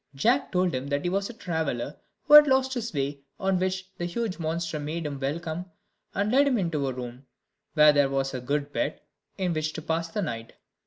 Jack told him that he was a traveller who had lost his way, on which the huge monster made him welcome, and led him into a room, where there was a good bed in which to pass the night.